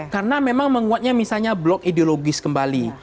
karena memang menguatnya misalnya blok ideologis kembali